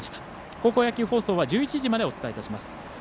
高校野球放送は１１時までお伝えします。